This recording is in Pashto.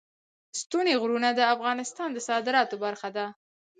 ستوني غرونه د افغانستان د صادراتو برخه ده.